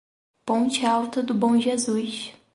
Ponte Alta do Bom Jesus